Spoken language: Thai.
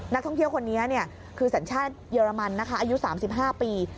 นักท่องเที่ยวคนนี้คือสัญชาติเยอรมันนะคะอายุ๓๕ปี